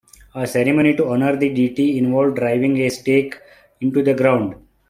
A ceremony to honour the deity involved driving a stake into the ground.